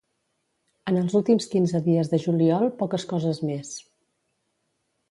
En els últims quinze dies de juliol poques coses més.